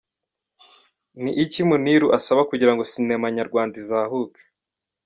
Ni iki Muniru asaba kugirango Sinema nyarwanda izahuke?.